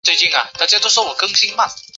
足利义持是第三代将军足利义满的庶子。